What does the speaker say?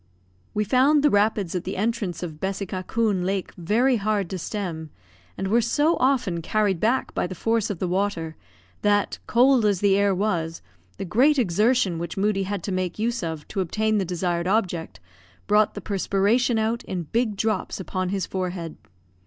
We found the rapids at the entrance of Bessikakoon Lake very hard to stem, and were so often carried back by the force of the water, that, cold as the air was, the great exertion which Moodie had to make use of to obtain the desired object brought the perspiration out in big drops upon his forehead.